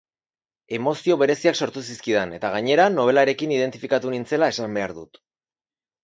Emozio bereziak sortu zizkidan eta gainera, nobelarekin identifikatu nintzela esan behar dut.